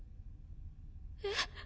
えっ？